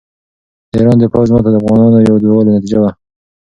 د ایران د پوځ ماته د افغانانو د یووالي نتیجه وه.